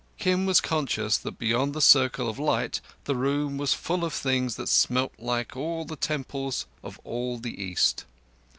Kim was conscious that beyond the circle of light the room was full of things that smelt like all the temples of all the East.